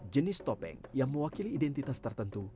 jenis topeng yang mewakili identitas tertentu